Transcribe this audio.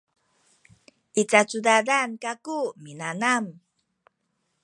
i cacudadan kaku minanam